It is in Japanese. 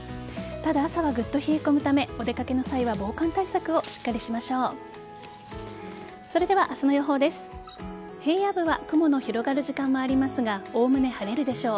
ただ、朝はぐっと冷え込むためお出掛けの際は防寒対策をしっかりしましょう。